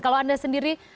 kalau anda sendiri